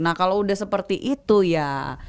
nah kalau udah seperti itu ya